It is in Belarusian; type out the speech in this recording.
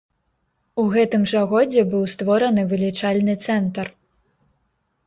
У гэтым жа годзе быў створаны вылічальны цэнтр.